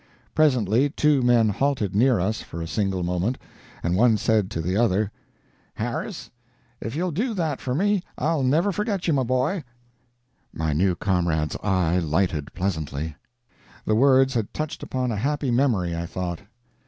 Presently two men halted near us for a single moment, and one said to the other: "Harris, if you'll do that for me, I'll never forget you, my boy." My new comrade's eye lighted pleasantly. The words had touched upon a happy memory, I thought.